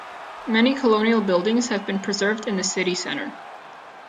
Many colonial buildings have been preserved in the city centre.